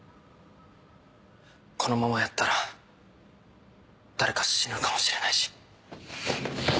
このままやったら誰か死ぬかもしれないし。